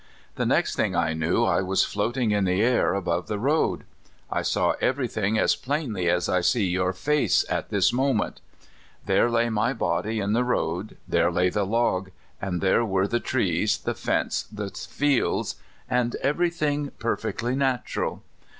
The next thing I knew I was float ing in the air above the road. I saw every thing as plainly as I see your face at this moment. There lay my body in the road, there lay the log, and there were the trees, the fence, the fields, and every thing, perfectly natural.